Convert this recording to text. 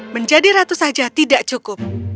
menjadi ratu saja tidak cukup